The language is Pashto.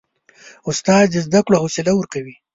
استاد د زده کړو حوصله ورکوي.